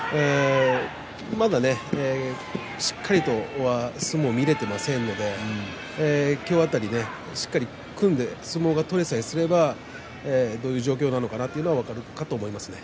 まだしっかりと相撲を見られていませんので今日辺りしっかりと組んで相撲が取れればどういう状況なのかなというのは分かると思います。